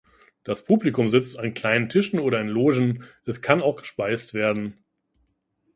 Das Publikum sitzt an kleinen Tischen oder in Logen, es kann auch gespeist werden.